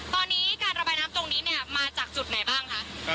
ตอนนี้การระบายน้ำตรงนี้เนี่ยมาจากจุดไหนบ้างคะ